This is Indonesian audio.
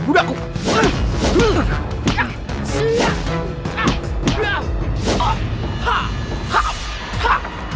dengan baik kacoda nusantara